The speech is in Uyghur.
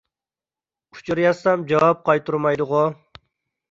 ئۇچۇر يازسام جاۋاب قايتۇرمايدىغۇ.